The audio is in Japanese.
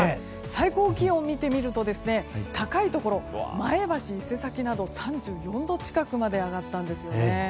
最高気温を見てみると高いところ、前橋、伊勢崎など３４度近くまで上がったんですよね。